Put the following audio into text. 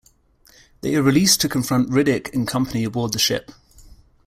They are released to confront Riddick and company aboard the ship.